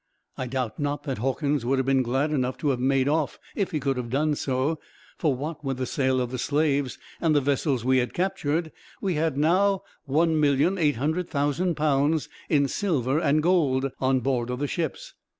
I doubt not that Hawkins would have been glad enough to have made off, if he could have done so; for what with the sale of the slaves, and the vessels we had captured, we had now 1,800,000 pounds, in silver and gold, on board of the ships.